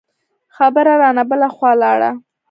خبره رانه بله خوا لاړه.